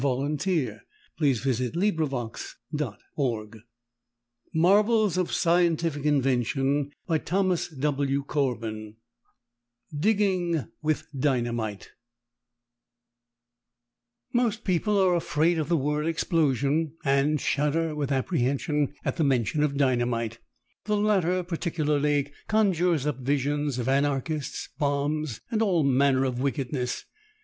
Message received by Telewriter 189 MARVELS OF SCIENTIFIC INVENTION CHAPTER I DIGGING WITH DYNAMITE Most people are afraid of the word explosion and shudder with apprehension at the mention of dynamite. The latter, particularly, conjures up visions of anarchists, bombs, and all manner of wickedness.